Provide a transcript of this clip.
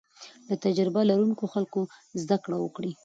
له تجربه لرونکو خلکو زده کړه وکړئ.